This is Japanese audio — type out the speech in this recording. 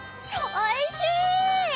おいしい！